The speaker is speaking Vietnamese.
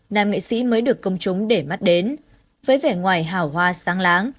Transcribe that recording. nam nghệ sĩ mới được công chúng để mắt đến với vẻ ngoài hào hoa sáng láng